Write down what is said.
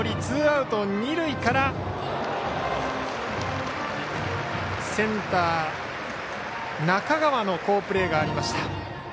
ツーアウト、二塁からセンター、中川の好プレーがありました。